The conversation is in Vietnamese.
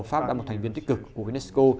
pháp là một thành viên tích cực của unesco